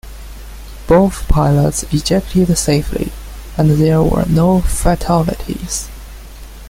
Both pilots ejected safely, and there were no fatalities.